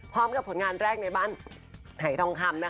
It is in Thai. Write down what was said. พร้อมกับผลงานแรกในบ้านไห่ทองคำนะคะ